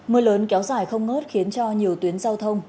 mưa lớn kéo dài không ngớt khiến cho nhiều tuyến giao thông